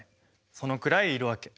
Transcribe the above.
そのくらい要るわけ。